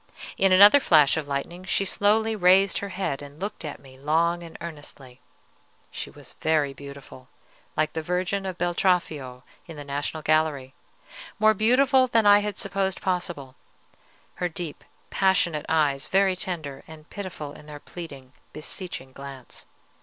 In another flash of lightning she slowly raised her head and looked at me long and earnestly. She was very beautiful, like the Virgin of Beltraffio in the National Gallery, more beautiful than I had supposed possible, her deep, passionate eyes very tender and pitiful in their pleading, beseeching glance.